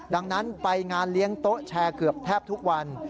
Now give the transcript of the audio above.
ดังนั้นไปงานเลี้ยงโต๊ะแชร์เกือบแทบทุกวัน